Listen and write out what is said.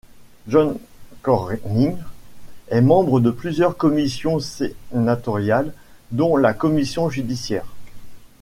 John Cornyn est membre de plusieurs commissions sénatoriales dont la commission judiciaire.